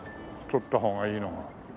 撮った方がいいのは。